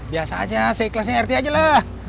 biasanya seikhlasnya rt aja lah